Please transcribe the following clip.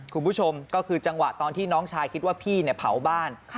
คุณผู้ชมก็คือจังหวะตอนที่น้องชายคิดว่าพี่เผาบ้าน